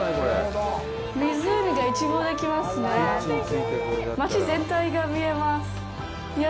湖が一望できますね。